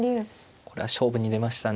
これは勝負に出ましたね。